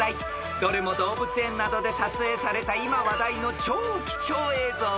［どれも動物園などで撮影された今話題の超貴重映像ばかり］